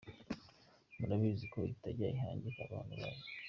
Murabizi ko itajya ihangika abantu bayo.